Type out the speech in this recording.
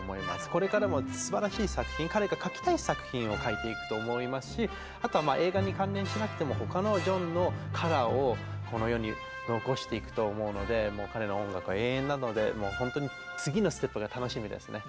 これからもすばらしい作品彼が書きたい作品を書いていくと思いますしあとは映画に関連しなくても他のジョンのカラーをこの世に残していくと思うのでもう彼の音楽は永遠なのでもう本当に次のステップが楽しみですね。ね